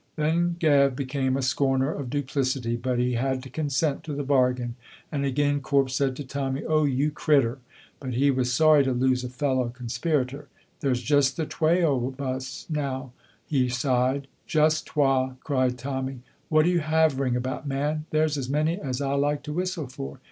Then Gav became a scorner of duplicity, but he had to consent to the bargain, and again Corp said to Tommy, "Oh, you crittur!" But he was sorry to lose a fellow conspirator. "There's just the twa o' us now," he sighed. "Just twa!" cried Tommy. "What are you havering about, man? There's as many as I like to whistle for."